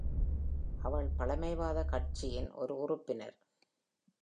அவள் பழமைவாத கட்சியின் ஒரு உறுப்பினர்.